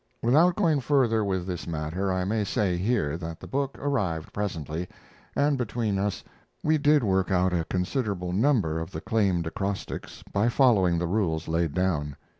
Without going further with this matter, I may say here that the book arrived presently, and between us we did work out a considerable number of the claimed acrostics by following the rules laid down.